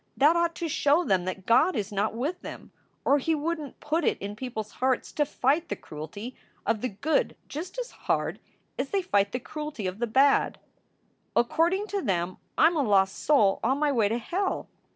That ought to show them that God is not with them or he wouldn t put it in people s hearts to fight the cruelty of the good just as hard as they fight the cruelty of the bad. "According to them I m a lost soul on my way to hell.